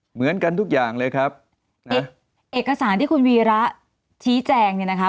เหมือนกันทุกอย่างเลยครับเอกสารที่คุณวีระชี้แจงเนี่ยนะคะ